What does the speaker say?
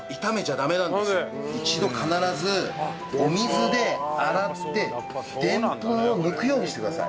一度必ずお水で洗ってでんぷんを抜くようにしてください。